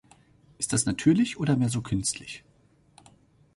Ist das natürlich oder mehr so künstlich?